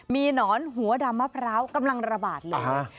มีหนอนหัวดำมะพร้าวกำลังระบาดเลย